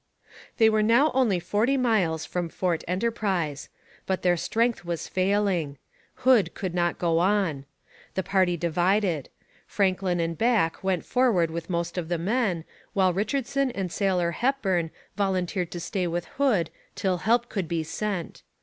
They were now only forty miles from Fort Enterprise. But their strength was failing. Hood could not go on. The party divided. Franklin and Back went forward with most of the men, while Richardson and sailor Hepburn volunteered to stay with Hood till help could be sent.